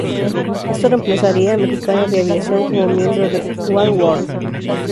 Esto reemplazaría a Mexicana de Aviación, como miembro de Oneworld.